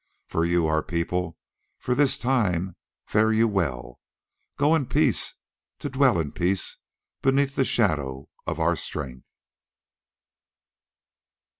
For you, our people, for this time fare you well. Go in peace to dwell in peace beneath the shadow of our strength."